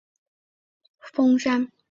熔岩表面之上矗立着一座小中央峰。